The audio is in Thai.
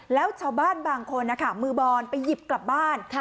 แล้วชาวบ้านบางคนนะคะมือบอลไปหยิบกลับบ้าน